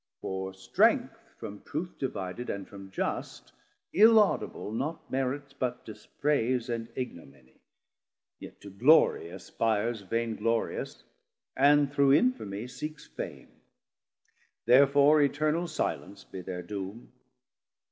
380 For strength from Truth divided and from Just, Illaudable, naught merits but dispraise And ignominie, yet to glorie aspires Vain glorious, and through infamie seeks fame: Therfore Eternal silence be thir doome.